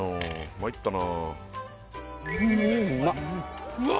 まいったな・